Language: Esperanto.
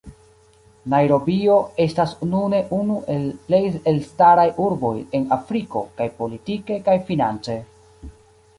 Najrobio estas nune unu el plej elstaraj urboj en Afriko, kaj politike kaj finance.